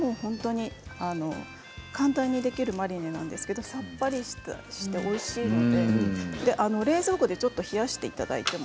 簡単にできるマリネなんですがさっぱりしておいしいので冷蔵庫でちょっと冷やしていただいても。